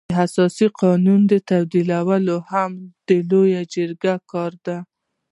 د اساسي قانون تعدیلول هم د لويې جرګې کار دی.